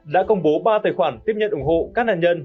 đã công bố ba tài khoản tiếp nhận ủng hộ các nạn nhân